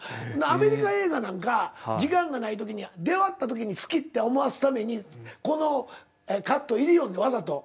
アメリカ映画なんか時間がない時に出会った時に好きって思わすためにこのカット入れよんねんわざと。